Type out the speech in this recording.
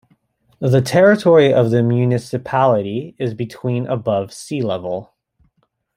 The territory of the municipality is between above sea level.